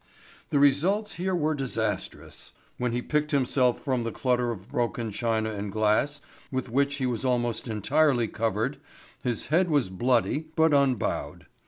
The results here were disastrous. When he picked himself from the clutter of broken china and glass with which he was almost entirely covered his head was bloody, but unbowed.